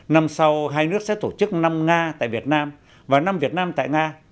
năm sau hai nước sẽ tổ chức năm nga tại việt nam và năm việt nam tại nga